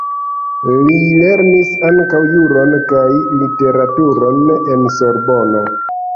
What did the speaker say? Li lernis ankaŭ juron kaj literaturon en Sorbono.